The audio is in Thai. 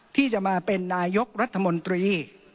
ที่จะมาเป็นนายกรัฐมนตรี